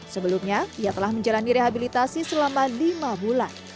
sebelumnya ia telah menjalani rehabilitasi selama lima bulan